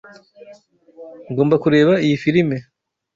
Ngomba kureba iyi firime.